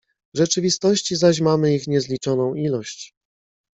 "W rzeczywistości zaś mamy ich niezliczoną ilość."